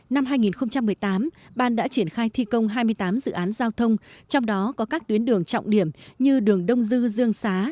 năm hai nghìn một mươi tám ban đã triển khai thi công hai mươi tám dự án giao thông trong đó có các tuyến đường trọng điểm như đường đông dư dương xá